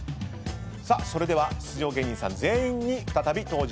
それでは出場芸人さん全員に再び登場していただきます。